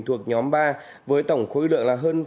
thuộc nhóm ba với tổng khối lượng là hơn